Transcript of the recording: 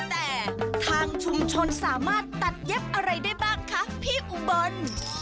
แต่ทางชุมชนสามารถตัดเย็บอะไรได้บ้างคะพี่อุบล